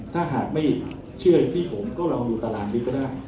ถ้าหากไม่เชื่อที่ผมก็ลองดูตารางบิ๊กเวลา